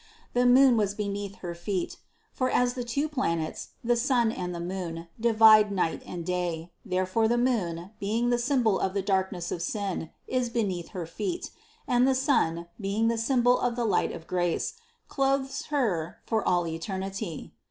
The moon was beneath her feet; for as the two planets, the sun and the moon, divide night and day, therefore the moon, being the symbol of the darkness of sin, is beneath her feet, and the sun, being the symbol of the light of grace, clothes Her for all eternity.